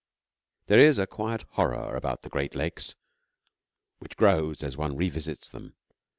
There is a quiet horror about the Great Lakes which grows as one revisits them.